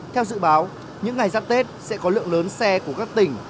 theo dự báo những ngày giáp tết sẽ có lượng lớn xe của các tỉnh